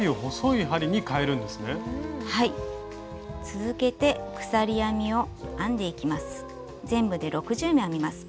続けて鎖編みを編んでいきます。